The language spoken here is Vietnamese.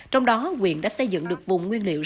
trong đó quyền đã xây dựng được vùng nguyên liệu